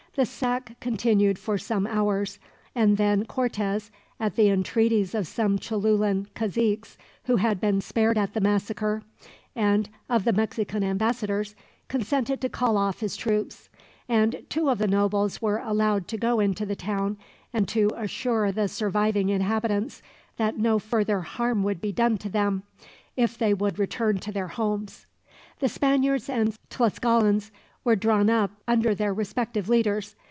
The sack continued for some hours, and then Cortez, at the entreaties of some Cholulan caziques who had been spared at the massacre, and of the Mexican ambassadors, consented to call off his troops; and two of the nobles were allowed to go into the town, and to assure the surviving inhabitants that no further harm would be done to them, if they would return to their homes. The Spaniards and Tlascalans were drawn up under their respective leaders.